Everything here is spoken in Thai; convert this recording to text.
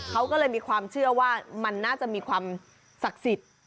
เขาก็เลยมีความเชื่อว่ามันน่าจะมีความศักดิ์สิทธิ์